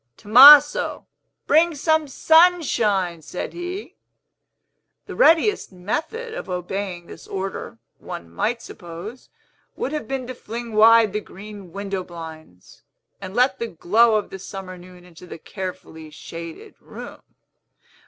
"Tomaso, bring some Sunshine!" said he. The readiest method of obeying this order, one might suppose, would have been to fling wide the green window blinds, and let the glow of the summer noon into the carefully shaded room.